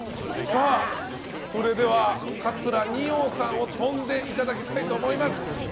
それでは桂二葉さんを跳んでいただきたいと思います。